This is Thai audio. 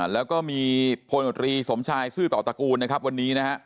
แล้วก็มีโพลโนตรีสมชายซื่อต่อตระกูลวันนี้